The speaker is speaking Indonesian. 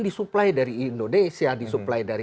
disuplai dari indonesia disuplai dari